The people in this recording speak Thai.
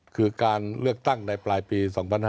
คือการเลือกตั้งในปลายปี๒๕๕๙